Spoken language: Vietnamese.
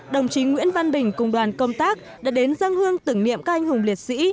đồng chí nguyễn văn bình cùng đoàn công tác đã đến dân hương tưởng niệm các anh hùng liệt sĩ